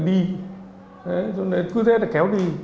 thế cho nên cứ thế là kéo đi